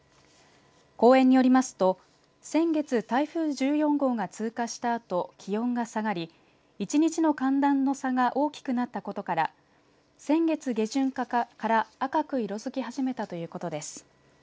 公園によりますと先月、台風１４号が通過したあと気温が下がり一日の寒暖の差が大きくなったことから先月下旬から赤く色づき始めたということです。